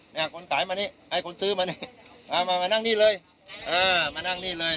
เนี่ยคนขายมานี่ไอ้คนซื้อมานี่เอามามานั่งนี่เลยเออมานั่งนี่เลย